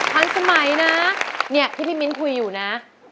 พันธุ์สมัยนะนี่พี่มินคุยอยู่นะ